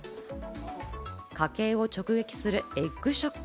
家計を直撃するエッグショック。